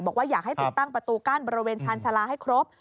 บอกว่าอยากให้ติดตั้งประตูกั้นบริเวณชาญชาลาให้ครบ